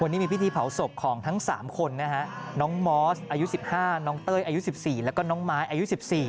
วันนี้มีพิธีเผาศพของทั้ง๓คนนะฮะน้องมอสอายุ๑๕น้องเต้ยอายุ๑๔แล้วก็น้องไม้อายุ๑๔